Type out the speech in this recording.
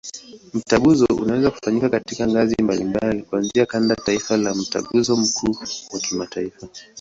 Mtaguso unaweza kufanyika katika ngazi mbalimbali, kuanzia kanda, taifa hadi Mtaguso mkuu wa kimataifa.